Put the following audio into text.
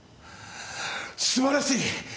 素晴らしい！